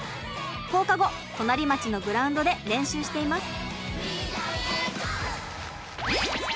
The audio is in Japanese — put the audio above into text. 放課後隣町のグラウンドで練習しています。